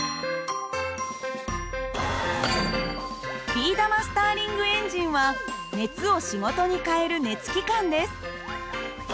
ビー玉スターリングエンジンは熱を仕事に変える熱機関です。